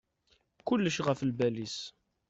Kulec ɣef lbal-is.